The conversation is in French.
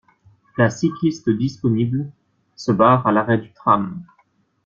La cycliste disponible se barre à l'arrêt du tram.